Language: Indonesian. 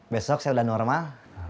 besok saya udah normal